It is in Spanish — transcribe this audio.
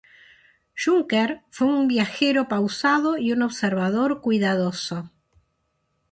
Junker fue un viajero pausado y un observador cuidadoso.